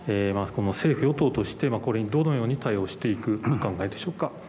政府、与党としてこれにどのように対応していくお考えでしょうか。